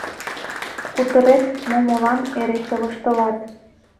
Кутырет... мо молан... эре чывыштылат.